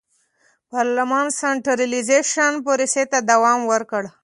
پارلمان سنټرالیزېشن پروسې ته دوام ورکړ.